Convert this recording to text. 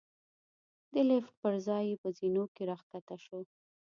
د لېفټ پر ځای په زېنو کې را کښته شوو.